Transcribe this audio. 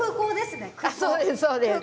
そうですそうです。